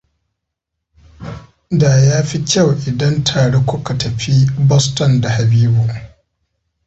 Da yafi kyau idan tare kuka tafi Boston da Habibu.